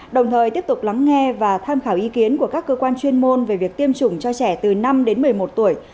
đồng thời tiếp tục lắng nghe và tham khảo ý kiến của các cơ quan chuyên môn về việc tiêm chủng cho trẻ từ năm đến một mươi một tuổi